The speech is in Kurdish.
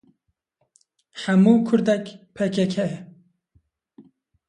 Hemû kurdek pkk ye.